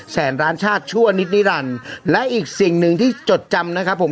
แสนล้านชาติชั่วนิดนิรันดิ์และอีกสิ่งหนึ่งที่จดจำนะครับผม